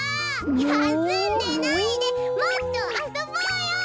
やすんでないでもっとあそぼうよ！